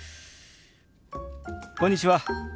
こんにちは。